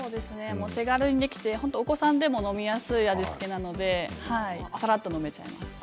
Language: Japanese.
手軽にできてお子さんでも飲みやすい味付けなのでさらっと飲めちゃいます。